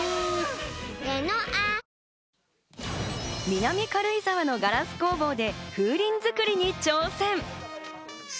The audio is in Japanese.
南軽井沢のガラス工房で風鈴作りに挑戦。